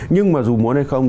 nhưng mà dù muốn hay không